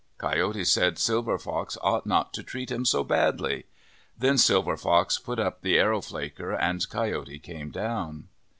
Coyote said Silver Fox ought not to treat him so badly ; then Silver Fox put up the arrow flaker and Coyote came down.